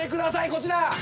こちら。